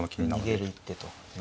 逃げる一手と。